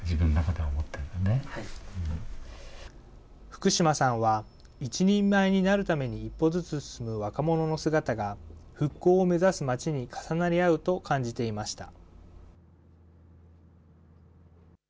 福島さんは一人前になるために一歩ずつ進む若者の姿が、復興を目指す町に重なり合うと感じていました。